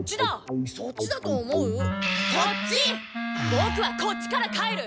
ボクはこっちから帰る！